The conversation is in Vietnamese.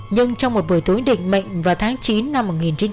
nhưng trong một buổi tối định mệnh vào tháng chín năm một nghìn chín trăm bảy mươi